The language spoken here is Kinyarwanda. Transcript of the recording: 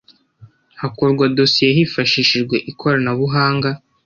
hakorwa dosiye hifashishijwe ikoranabuhanga